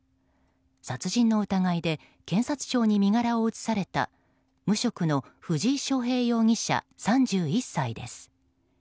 殺人の疑いで検察庁に身柄を移された無職の藤井翔平容疑者、３１歳です。